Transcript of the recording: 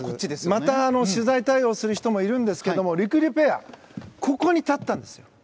また取材対応する人もいるんですけどりくりゅうペアはここに立ったんです。